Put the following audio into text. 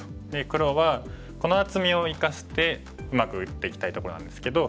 黒はこの厚みを生かしてうまく打っていきたいとこなんですけど。